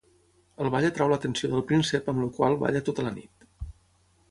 Al ball atreu l'atenció del príncep amb el qual balla tota la nit.